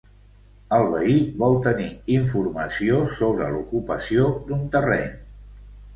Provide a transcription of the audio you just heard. El veí vol tenir informació sobre l'ocupació d'un terreny.